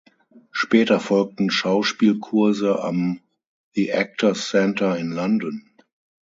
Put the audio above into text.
Später folgten Schauspielkurse am The Actors Centre in London.